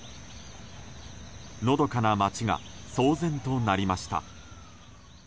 のどかな町が騒然となりました。